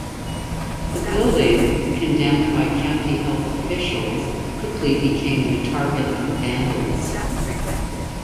The building, condemned by county health officials, quickly became the target of vandals.